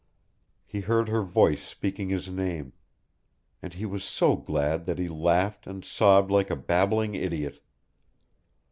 He heard her voice speaking his name; and he was so glad that he laughed and sobbed like a babbling idiot.